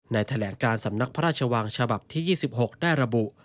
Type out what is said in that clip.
แถลงการสำนักพระราชวังฉบับที่๒๖ได้ระบุ